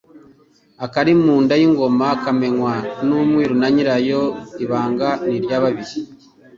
Akari mu nda y'ingoma kamenywa n'umwiru na nyirayo : Ibanga ni irya babiri.